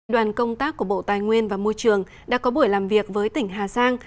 đoàn công tác của bộ tài nguyên và môi trường đã có buổi làm việc với tỉnh hà giang